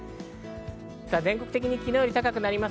全国的にきのうより高くなります。